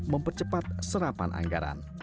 mempercepat serapan anggaran